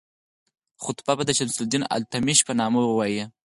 خطبه به د شمس الدین التمش په نامه وایي.